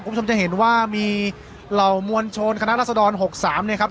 คุณผู้ชมจะเห็นว่ามีเหล่ามวลชนคณะรัศดร๖๓เนี่ยครับ